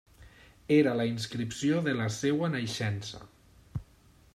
Era la inscripció de la seva naixença.